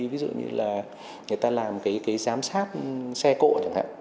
ví dụ như là người ta làm cái giám sát xe cộ chẳng hạn